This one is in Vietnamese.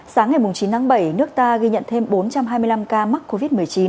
sáng ngày chín tháng bảy nước ta ghi nhận thêm bốn trăm hai mươi năm ca mắc covid một mươi chín